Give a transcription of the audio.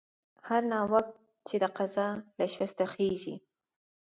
هر ناوک چې د قضا له شسته خېژي.